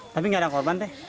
tapi gak ada korban deh